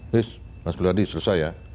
wis mas prihadi selesai ya